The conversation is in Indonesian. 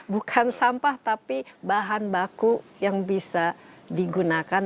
bukan sampah tapi bahan baku yang bisa digunakan